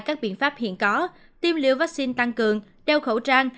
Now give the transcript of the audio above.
các biện pháp hiện có tiêm liều vaccine tăng cường đeo khẩu trang